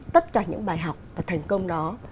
tất cả những bài học và thành công đó